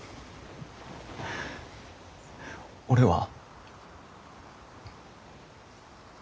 俺は。